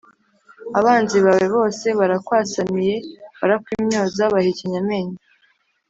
Abanzi bawe bose barakwasamiye, Barakwimyoza bahekenya amenyo